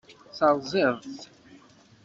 Terẓiḍ-t.